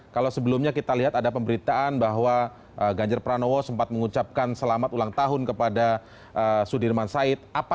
kalau sebelumnya kita lihat ada pemberitaan bahwa ganjar pranowo sempat mengucapkan selamat ulang tahun kepada sudirman said